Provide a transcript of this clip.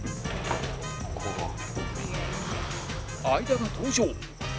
相田が登場